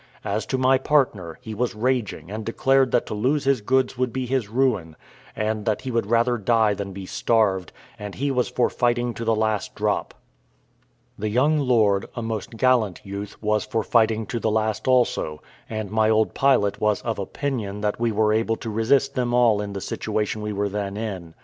As to my partner, he was raging, and declared that to lose his goods would be his ruin, and that he would rather die than be starved, and he was for fighting to the last drop. The young lord, a most gallant youth, was for fighting to the last also; and my old pilot was of opinion that we were able to resist them all in the situation we were then in.